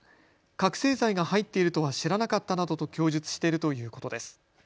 覚醒剤が入っているとは知らなかったなどと供述しているということです。